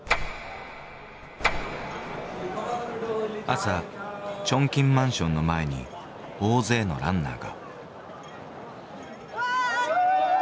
朝チョンキンマンションの前に大勢のランナーが。